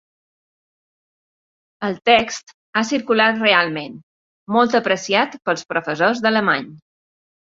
El text ha circulat realment, molt apreciat pels professors d'alemany.